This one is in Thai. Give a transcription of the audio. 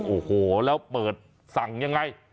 โอ้โหแล้วเปิดสั่งยังไง